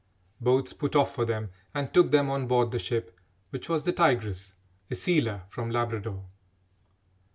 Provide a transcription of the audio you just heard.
Boats put off for them and took them on board the ship, which was the Tigress, a sealer from Labrador.